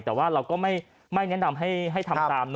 แต่ว่าเราก็ไม่แนะนำให้ทำตาม